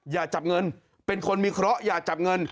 อย่าจับเงินเป็นคนมีเคราะหอย่าจับเงิน